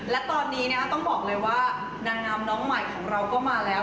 และตอนนี้ต้องบอกเลยว่านางงามน้องใหม่ของเราก็มาแล้ว